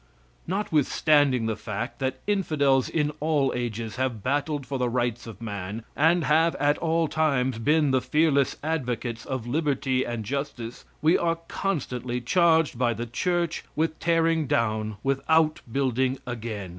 Notwithstanding the fact that infidels in all ages have battled for the rights of man, and have at all times been the fearless advocates of liberty and justice, we are constantly charged by the Church with tearing down without building again.